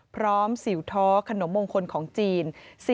พร้อมสิวท้อขนมวงคลของจีน